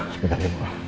sebentar ya bu